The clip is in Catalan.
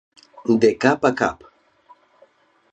De cap a cap.